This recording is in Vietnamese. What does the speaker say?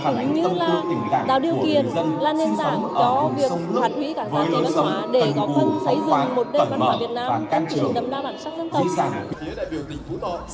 chỉ như là tạo điều kiện là nền tảng cho việc phản hủy cả giá trị văn hóa để góp phân xây dựng một đất văn hóa việt nam đầm đa bản sắc dân tộc